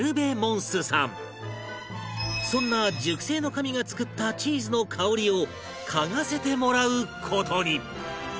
そんな熟成の神が作ったチーズの香りを嗅がせてもらう事に